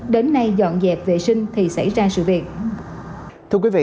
đến nay dọn dẹp vệ sinh thì xảy ra sự việc